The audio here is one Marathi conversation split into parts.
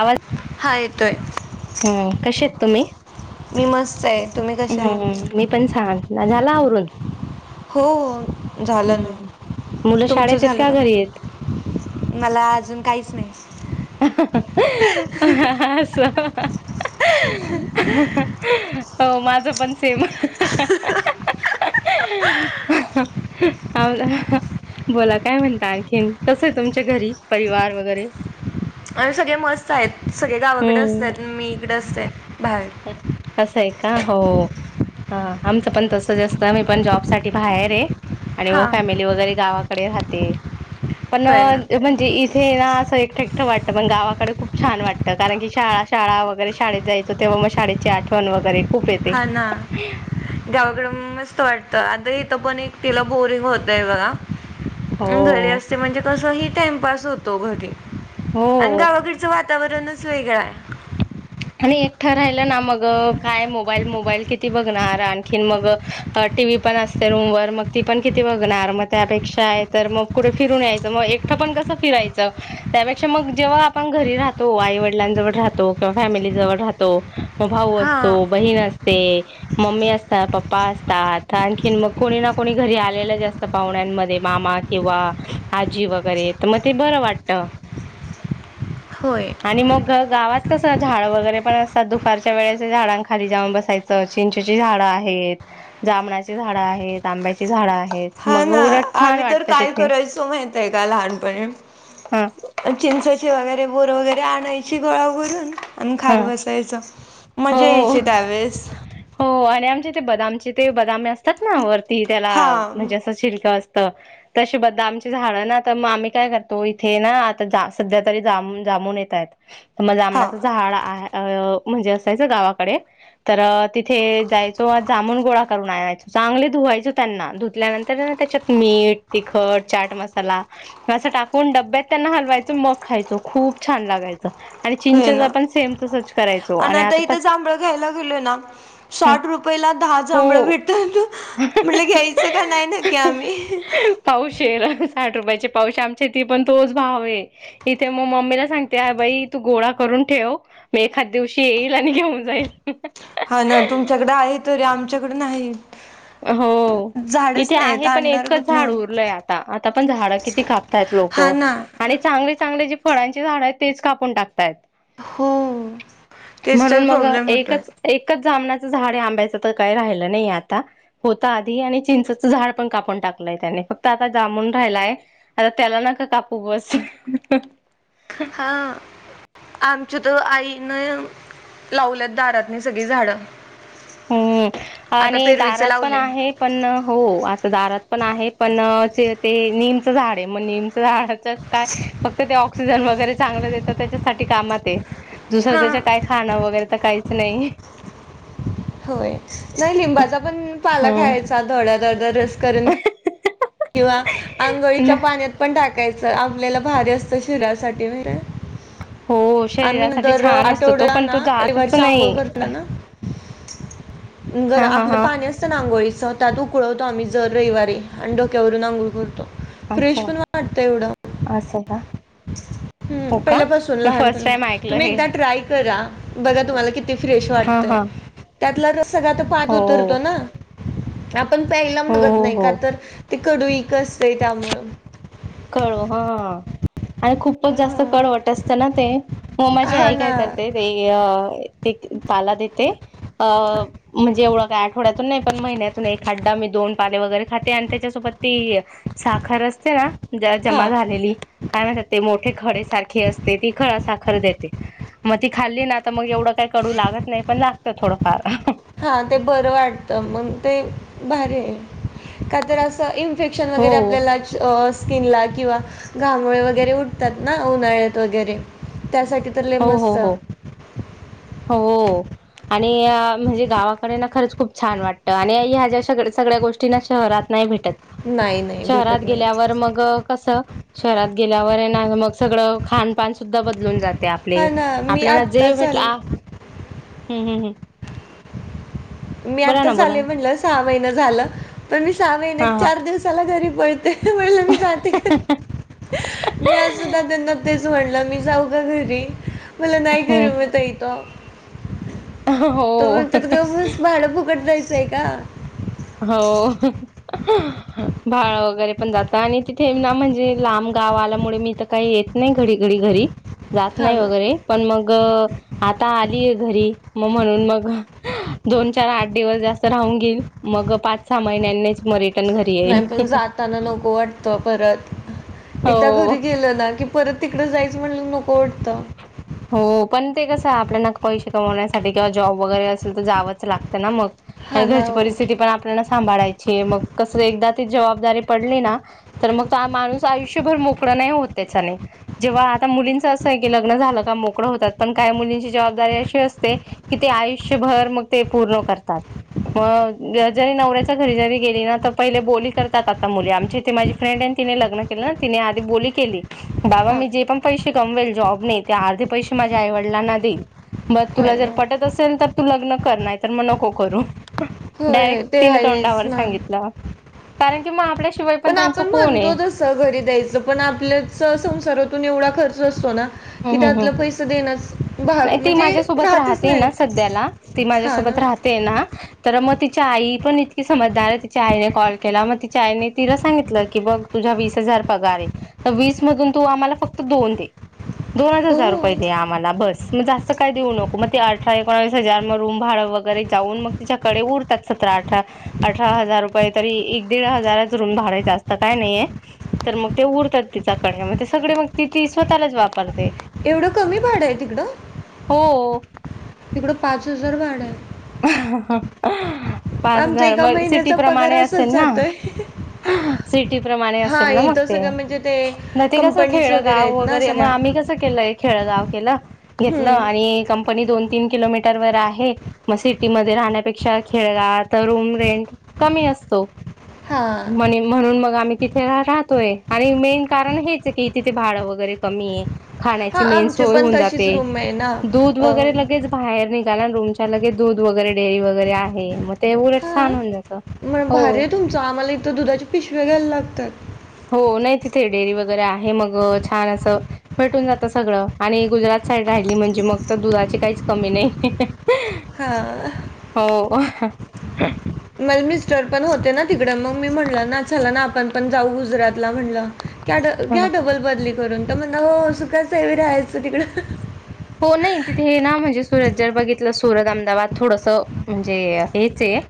आवाज हा येतोय हम्म, कसे आहेत तुम्ही? मी मस्त आहे तुम्ही कसे आहात हम्म मी पण छान. झाल आवरून? हो. झालं हम्म. ना मुलं तुमच शाळेत आहेत झालं का? घरी आहेत? मला अजून काही असं हो माझ पण सेम [unintelligible] बोला काय म्हणता आणखीन कस आहे तुमच्या घरी परिवार वगैरे? आम्ही सगळे मस्त आहेत. सगळे गावाकडे असत्यात मी इकडे असते. बाहेर हं कसय? का हो हा. आमचं पण तसंच असतं आम्ही पण जॉबसाठी बाहेर आहे. आणि मगं हां फॅमिली वगैरे गावाकडे राहते. पण होय ना म्हणजे इथे ना असं एकटे एकटं वाटतं. पण गावा कडे खूप छान वाटतं, कारण की शाळा शाळा वगैरे शाळेत जायचा तेव्हा मग शाळेची आठवण वगैरे खूप येते हा ना गावाकडं मस्त वाटतं. आता ही इथे पण एकटीला बोरिंग होतय बघा. हो घरी असते म्हणजे कसही टाइमपास होतो घरी आणि हो गावाकडचं वातावरणच वेगळ हाय. आणि एकटं राहिलं ना मग काय मोबाईल, मोबाईल किती बघणार. आणखीन मग मी पण असते रूमवर मग ती पण किती बघणार, मग त्यापेक्षा आहे तर मग कुठे फिरून यायचं. मग एक कस फिरायचं. त्यापेक्षा मग जेव्हा आपण घरी राहतो आई वडिलांजवळ राहतो किंवा फॅमिली जवळ राहतो, मग भाऊ असतो हां बहीण अस मम्मी असतात, पप्पा असतात आणखी मग कोणी ना कोणी घरी आलेलंच असतं पाहुणे मामा किंवा आजी वगैरे तर मग ते बर वाटतं. होय. आणि मग गावात कसं झाड वगैरे पण असतात दुपारच्या वेळेस झाडां खाली जाऊन बसायचं. चिंचेची झाडं आहेत जांभणाची झाडं आहेत, आंब्याची झाडं आहे हा ना आम्ही तर काय करायचो माहितेय का लहानपणी? हा चिंचची वगैरे बोर वगैरे आणायची गोळा करून आणि खात हा बसायचो. मजा यायची हो त्यावेळेस. हो आणि आमच्या इथे बदामचे ते बदामे असतात ना वरती त्याला हा म्हणजे असं छिलकं असं ते तशी बदामची झाडंना तर मग आम्ही काय करतो इथेय ना आता सध्यातरी जामुन जामीन येतायेत. तर मग हा जामनाच झाड अ म्हणजे अस जायचो गावाकडे तर तिथे जायचो. जामून गोळा करून आणायचो चांगले धुवायचे त्य त्यांना धुतल्यानंतर ना त्यात मीठ, तिखट, चाट मसाला असं टाकून डब्यात त्याला हलवायचं, मग खायचो खूप छान लागयचं. आणि होय चिंचेला ना पण सेम तसचं करायचो. आणि आता तर ना जांभळ घ्यायला गेले ना साठ रुपयाला दहा जांभळ हो भेटतात. म्हणलं घ्यायचं का नाही नक्की आम्ही. पावशेर साठ रुपयाचे पाऊशेर आमच्या पण तोच भाव आहे, इथे मग मम्मीला सांगते बाई तू गोळा करून आणून ठेव. मी एखादं दिवशी येईल आणि घेऊन जाईल. हा ना तुमच्याकडं आहे तरी आमच्याकडं नाहीत. हो. इथे आहे, पण आणणार एकच झाड कुठनं उरलंय आता. आता पण झाड किती कापताय लोक. हा ना आणि चांगले, चांगले जे फळांची झाड आहेत तेच कापून टाकतायेत. हो तेच म्हणून तर मग प्रॉब्लेम होतोय एकच, एकच जांभळाच झाड आहे, आंब्याचं तर काय राहिलं नाही आता, होत आधी आणि चिंचचं झाड पण कापून टाकलंय त्याने फक्त आता जांभुळ राहिलाय आता त्याला ना नका कापू बस, हा आमच्या तर आईन लावल्यात दारातनी सगळी झाडं हम्म आता आणि पेरवीचं दारात पण लावले आहे, पण हो आता दारात पण आहे पण ते निमचं झाड आहे, म निमचं झाडा काय फक्त ते आँक्सिजन ऑक्सिजन वगैरे चांगलं देत त्यांच्यासाठी कामात आहे, दुसरं हा त्याच्या काय खाणं वगैरे तर काहीच. नाही. होय नाही लिंबाचा पण पाला ख्यायचा थोडा थोडा रस करून, किंवा आंघोळीच्या ना पाण्यात पण टाकायचं आपल्याला भारी असतं शरीरासाठी माहीतय, हो शरीरासाठी छान असतो, तो आठवड्याला पण तो ना जातच नाही. [inaudible] जर हा हा आपलं हा पाणी असतं ना आंघोळीच त्यात उक, ळवतो आम्ही दर रविवारी आणि डोक्यावरून अंघोळ करतो, फ्रेश असं पण वाटतं एवढं, असं का हो हम् का पहिल्यापासून मी फर्स्ट टाइम लहानपणापासून ऐकलं तुम्ही हे. एकदा ट्राय करा बघा तुम्हाला किती फ्रेश हा वाटतंय. हा त्यातला रस सगळा पाण्यात हो उतरतो ना, आपण प्यायला हो बघत हो नाही हो का तर! ते कडूईक असतें त्यामुळं, कडू हां आणि खूपच जास्त हा कडवट असतं, ना ते मग माझी हा आई ना काय करते ते ते पाला देते म्हणजे एवढं काय आठवड्यातून नाही पण महिन्यातून एकदा मी दोन पाले वगैरे खाते आणि त्याच्यासोबत ती साखर असते ना जरा हा जमा झालेली काय म्हणतात, ते मोठे. खडीसाखर असते ती खडा साखर देते म ती खाल्ली ना तर मग एवढं काही कडू लागत नाही पण, लागत थोडंफार हा ते बरं वाटत मग ते भारी आहे काय तर असं. इफेक्शन हो वगैर आपल्याला, स्किनला किंवा घामोळे वगैरे उठतात ना उन्हाळ्यात वगैरे, त्यासाठी तर लय हो मस्त, हो हो हो. आणि म्हणजे गावाकडे ना खरंच खूप छान वाटतं आणि ह्या ज्या सगळ्या गोष्टी ना शहरात नाही भेटत, नाही नाही शहरात भेटत नाही गेल्यावर मग कसं, शहरात गेल्यावर आहे ना मग सगळं खानपान सुद्धा बदलून जाते. आपले हा ना मी आपल्याला जे आत्ताच म्हटला आले हम्म हम् हम्. मी आता चाले म्हणलं. सहा महिना झालं. पण मी सहा महिन्यात हा हा. चार दिवसाला घरी पळते. म्हणलं मी जाते का मी आज सुद्धा त्यांना तेच म्हणलं, मी जाऊ का घरी '? मला नाही करमत इथं, हो. [unintelligible] बू कटरायचंय का? हो भाडं वगैरे पण जातं आणि तिथे ना म्हणजे लांब गाव आल्यामुळे, मी तर काही येत नई. नाही घडी घडी घरी जात नाही थांब वगैरे पण मग आता आलीय घरी मग म्हणून मग दोन चार आठ दिवस जास्त राहून घेल मग पाच सहा महिन्यांनीच मर नाही पण जाताना नको वाटतं परत. एकदा हो घरी गेलं ना की परत, तिकडं जायचं म्हणलं नको वाटतं. हो पण ते कसं आपल्याना पैसे कमवण्यासाठी किंवा जॉब वगैरे असेल तर जावंच लागतं ना मग. आणि हा ना घरची हो. परिस्थिती पण आपल्याला सांभाळायची मग कसं एकदा ती जबाबदारी पडली ना तर, मग माणूस आयुष्यभर मोकळा नाही होत त्याच्याने, जेव्हा आता मुलींचं लग्न झालं - - मोकळं होतात पण काही मुलींची जबाबदारी अशी असते की ते आयुष्यभर मग ते पूर्ण करतात. मग जरी नवऱ्याच्या घरी जरी गेली ना तर पहिले बोली करतात आता मुली. आमच्या इथे माझी लग्न केलं तिने आधी बोली केली, बाबा हा मी जे पण पैसे कमवेल जॉबने ते अर्धे पैसे माझ्या आईवडिलांना देईल. बघ होय तुला जर ना पटत असेल तर तू लग्न कर. नाही तर मग नको करू. होय डायरेक्ट ते तिने आहेच तोंडावर ना सांगितलं कारण की मग आपल्या पण आपण म्हणतो तस घरी द्यायचं पण आपल्या संसारातून एवढा खर्च असतो ना कि हम् हम हम त्यातलं पैसं देण्या नाही भाग ती म्हणजे माझ्यासोबत राहतच राहते ना नाही सध्याला ती ह ना माझ्यासोबत राहते ना? तर मग तिच्या आई पण इतकी समजदार आहे तिच्या आईने कॉल केला मग तिच्या आईने तिला सांगितलं की बघ तुझ वीस हजार पगार आहे तर वीस मधून तू आम्हाला फक्त दोन दे. दोनच हजार हो रुपये द्या आम्हाला बस. मग जास्त काय देऊ नको मग ते अठरा एकोणावीस हजार मग रूम भाडं वगैरे जाऊन मग तिच्याकडे उरतात सतरा अठरा अठरा हजार रुपये तरी एक दीड हजाराच रूम भाडं ए, जास्त काही नाहीये तर मग ते उरतात तिचा कडे मग ते सगळे मग तिची स्वतःलाच वापर एवढं कमी भाड आहे तिकडं? हो तिकडं पाच हजार भाड आहे. पाच आमचा हजार एका मग सिटी महिन्याचा पगार प्रमाणे असेल असंच ना. जातोय सिटी प्रमाणे असेल हा ना मग इथं ते सगळं म्हणजे ते ते कस कंपनीज खेडगाव आहेत ना वगैरे मग सगळ्या आम्ही कस केलं खेळगाव केलं घेतलं हम्म. आणि कंपनी दोन तीन किलोमीटरवर आहे. मग सिटीमध्ये राहण्यापेक्षा खेळगावात तर रूम रेंट कमी असतो. हा म्हणी म्हणून मग आम्ही तिथे राहतोय आणि मेन कारण हेच आहे की तिथे भाडं वगैरे कमीये. हा खाण्याची मेन आमचे सोय पण होऊन तशीच जाते. रूम आहे ना दूध अं, वगैरे लगेच बाहेर नि रूमच्या लगे दूध वगैरे डेअरी वगैरे आहे मग ते उलट हा छान होऊन जातं. हो. तर दुधाची पिशव्या घ्यायला लागतात. हो नाही डेअरी वगैरे आहे मग छान असं भेटून जातं सगळं आणि गुजरात साईड राहिली म्हणजे मग फक्त दुधाची काहीच कमी नाही. हा हो. मल मिस्टर पण होते ना तिकडे मग मी म्हणलं, ना चला ना आपण पण जाऊ गुजरातला म्हणलं. घ्या ड घ्या डबल बदली करून तर म्हन हो सुखाचय व्हय राहायचं तिकडं. होनइ तिथे हे ना म्हंजे सुरत जर बघितलं सुरत, अहमदाबाद थोडसं म्हंजे हेचए‌.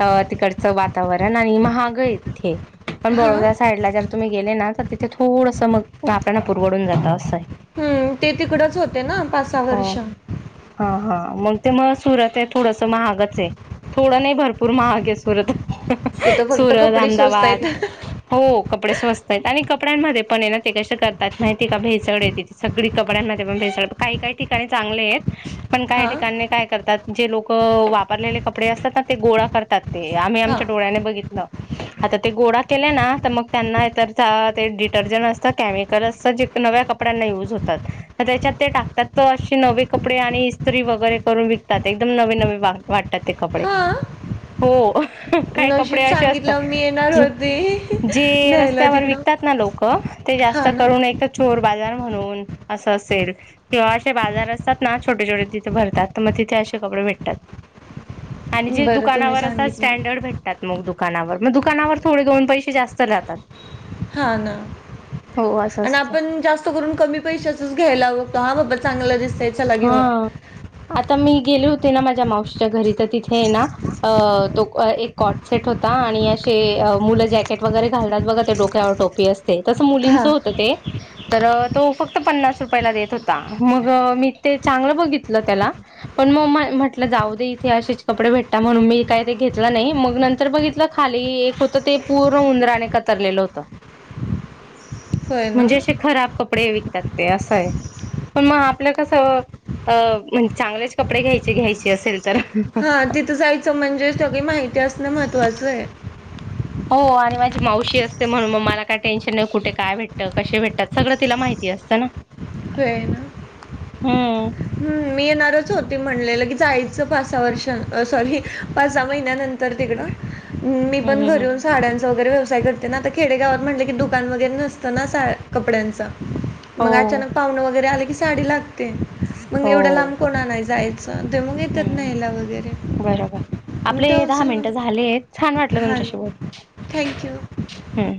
अ तिकडचं वातावरण आणि महागय इ थे. पण हा बडोदा साईडला जर तुम्ही गेले ना तर तिथे थोडसं मग आपल्याना पुरवडून जातं असांय. हं ते तिकडच होते ना पाचसहा वर्ष. हा हा मग ते म सुरतय थोडसं महागचे थोडं नाही भरपूर महागे सुरत. तिथं फक्त सुरत, कपडे स्वस्त एहमदाबाद आहेत हो कपडे स्वस्तायत आणि कपड्यांमध्ये पण येना ते कशे करतायत माहितीयेका भेसडेती सगडी कपड्यांमध्ये पण भेसळ काही काही ठिकाणी चांगलेत पण काही हां ठिकाणी काय करतात जे लोकं वापरलेले कपडे असतातना ते गोळा करतात ते आम्ही हां आमच्या डोळ्याने बघित ल आता ते गोडा केल्या ना तर मग त्यांना एतरता ते डिटर्जंट असतं केमिकल असतं जे नव्या कपड्यांना युज होतात तर त्याच्यात ते टाक त्यात्त अशे नवे कपडे आणि इस्त्री वगैरे करून विकतात एकदम नवे नवे वा वाटतात ते कपडे. हां हो‌. काही कपडे नशीब अशे असता सांगितलं मी येणार जे होती जे न्यायला रस्त्यावर तिकडं विकतातना लोकं ते ते जास्त हां ना करून एकतर चोर बाजार म्हणून असं असेल किंवा अशे बाजार असतात ना छोटेछोटे तिथे भरतात तर म तिथे अशे कपडे भेटतात. आणि जे बरं तुम्ही दुकानावर असतात सांगितलं स्टँडर्ड भेटतात मग दुक कानावर मग दुकानावर थोडे दोन पैशे जास्त जातात. हां ना असं आण् असतं आपनं जास्त करून कमी पैशाचच घ्यायला व तो हां बाबा चांगलं दिस हां आत् त मी गेले होते ना माझ्या मावशीच्या घरी तर तिथेना अ तो अ एक कॉर्ड सेट होता आन् आणि अशे मुलं जॅकेट वगैरे घालतात बघा ते डोक्यावर टोपी अस ते तस मुलींच हां होत ते तर तो फक्त पन्नास रुपयाला देत होता मगं मी ते चांगलं बघितलं त्याला पण म म्हंटल जाऊ दे इथे अशेच कपडे भेटता म्हणून मी काय ते घेतला नाही मग नंतर बघितलं खाली इ एक होत ते पूर्ण उंदराने कतरलेलं होतं. होय [inaudible] ना म्हंजे अशे खराब कपडे विकतात ते असय पण म आपल्या कस सं अ म्हंज चांगलेच कपडे घ्यायचे घ्यायचे असेल तर हां तिथं जायचं म्हंजे सगळी माहिती असणं महत्त्वाचय. हो आणि माझी मावशी असते म्हणून म मला काय टेन्शन नाही कुठे काय भेटतं कशे भेटतात सगळं तिला माहितीय. असतं ना. होयना. हम्म् हं मी येणारच होती म्हणलेल की जायच पाचसहा वर्षान अ सॉरी पाचसहा महिन्यानंतर तिक कड मी हम्म पन घरी हम्म येऊन साड्यांच च वगैरे व्यवसाय करते ना आता खेडेगावात म्हंटलं की दुकान वगैरे नसतं ना सा कपड्यांच. मग हो अचानक पाउणं वगैरे आलं की साडी लागते मग एवढा लांब कोण आणायला जाय हंहं बरोबर मग आपले त्या दहा मिनट होलसेलमध्ये झाले छान वाटलं हां तुमच्याशी शी बोलून. थँक्यू. हम्म